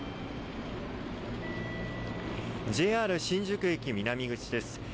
ＪＲ新宿駅南口です。